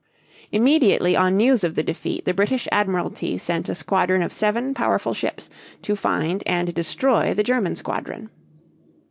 Immediately on news of the defeat the British Admiralty sent a squadron of seven powerful ships to find and destroy the German squadron.